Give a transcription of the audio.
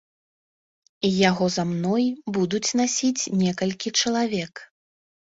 Яго за мной будуць насіць некалькі чалавек.